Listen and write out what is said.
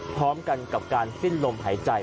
พร้อมกันกับการสิ้นลมหายใจ